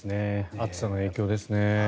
暑さの影響ですね。